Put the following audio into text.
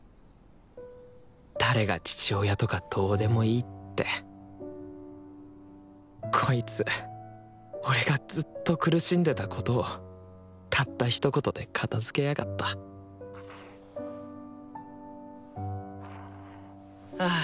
「誰が父親とかどうでもいい」ってこいつ俺がずっと苦しんでたことをたったひと言で片づけやがったあ。